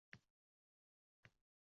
Senga eltar yo’llar qayda ayt!